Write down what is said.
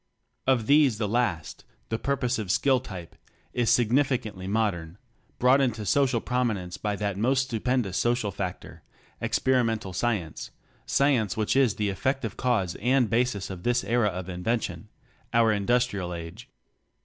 Of these the last the purposive skill type is significantly modern, brought into social prominence by that most stupendous social factor, experimental science, science which is the effective cause and basis of this era of invention our industrial age.